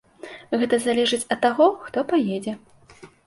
Гэта залежыць ад таго, хто паедзе.